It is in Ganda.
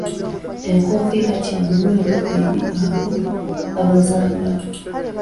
Enkoofiira kya muwendo eri abo abazambala.